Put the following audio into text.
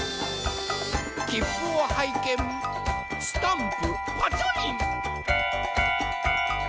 きっぷをはいけんスタンプパチョリン。